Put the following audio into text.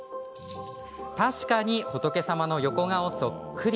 確かに仏様の横顔そっくり。